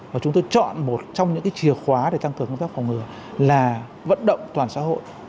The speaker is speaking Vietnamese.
và chúng tôi chọn một trong những chìa khóa để tăng cường công tác phòng ngừa là vận động toàn xã hội